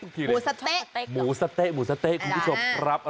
หมูสะเต๊กหมูสะเต๊กหมูสะเต๊กหมูสะเต๊กหมูสะเต๊กคุณผู้ชมครับ